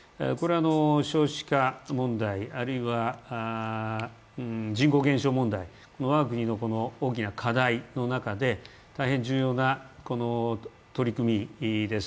少子化問題、あるいは人口減少問題、我が国の大きな課題の中で、大変重要な取り組みです。